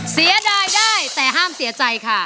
เสียดายได้แต่ห้ามเสียใจค่ะ